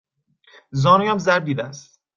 زانویم ضرب دیده است.